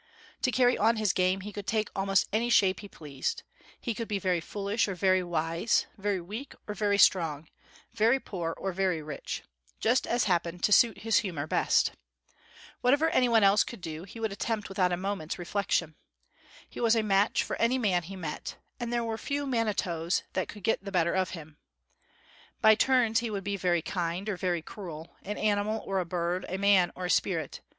To carry on his game, he could take almost any shape he pleased; he could be very foolish or very wise; very weak or very strong; very poor or very rich just as happened to suit his humor best. Whatever any one else could do, he would attempt without a moment's reflection. He was a match for any man he met, and there were few mani toes that could get the better of him. By turns he would be very kind, or very cruel; an animal or a bird; a man or a spirit.